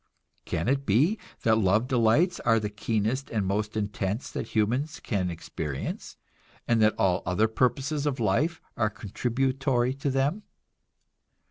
Can it be that love delights are the keenest and most intense that humans can experience, and that all other purposes of life are contributory to them?